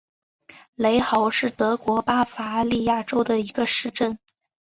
雷豪是德国巴伐利亚州的一个市镇。